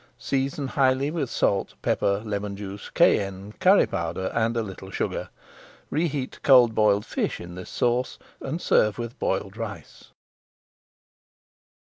Season highly with salt, pepper, lemon juice, cayenne, curry powder, and a little sugar. Reheat cold boiled fish in this sauce and serve with boiled rice.